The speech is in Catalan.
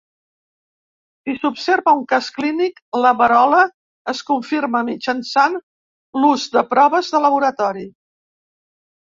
Si s'observa un cas clínic, la verola es confirma mitjançant l'ús de proves de laboratori.